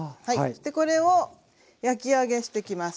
これを焼き揚げしてきます。